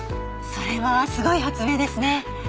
それはすごい発明ですね。